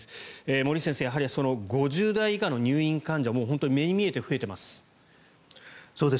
森内先生やはり５０代以下の入院患者が本当、目に見えて増えています。